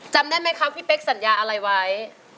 จำได้ไหมครับพี่เป๊กสัญญาอะไรไว้